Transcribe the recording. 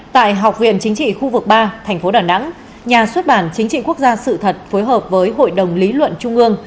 tại học viện chính trị khu vực ba thành phố đà nẵng nhà xuất bản chính trị quốc gia sự thật phối hợp với hội đồng lý luận trung ương